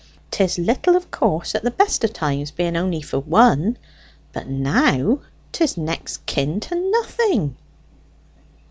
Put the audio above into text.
'Tis little, of course, at the best of times, being only for one, but now 'tis next kin to nothing."